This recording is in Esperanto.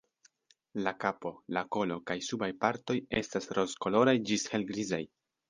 La kapo, la kolo kaj subaj partoj estas rozkoloraj ĝis helgrizaj.